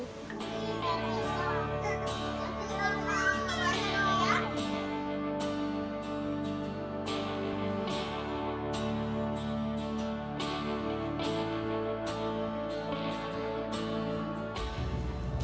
kita bisa tetap kejar kejaran